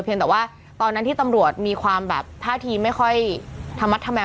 เพียงแต่ว่าตอนนั้นที่ตำรวจมีความท่าทีไม่ค่อยธรรมดธรรมแพ้